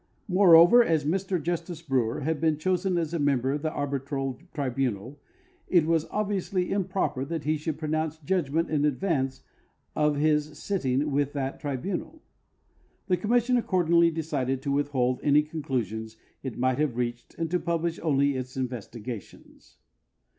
Moreover, as Mr Justice Brewer had been chosen as a member of the arbitral tribunal, it was obviously im proper that he should pronounce judgment in advance of his sitting with that tribunal. The commission accordingly decided to withhold any conclusions it might have reached and to pub lish only its investigations.